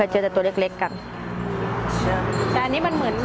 ลองถามหลายคนไหมว่าเคยเห็นไหมตั๊กกะแตนเหมือนกัน